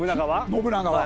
信長は。